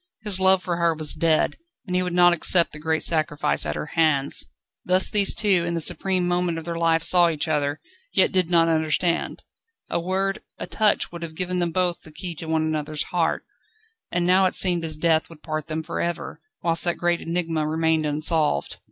His love for her was dead, and he would not accept the great sacrifice at her hands. Thus these two in the supreme moment of their life saw each other, yet did not understand. A word, a touch would have given them both the key to one another's heart, and it now seemed as if death would part them for ever, whilst that great enigma remained unsolved.